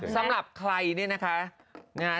สำหรับใครเนี่ยนะคะ